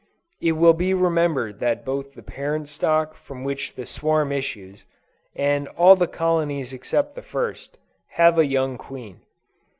It will be remembered that both the parent stock from which the swarm issues, and all the colonies except the first, have a young queen.